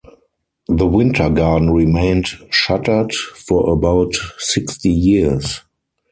The Winter Garden remained shuttered for about sixty years.